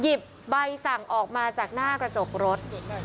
ใบสั่งออกมาจากหน้ากระจกรถ